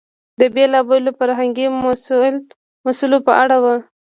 د بېلابېلو فرهنګي مسئلو په اړه و.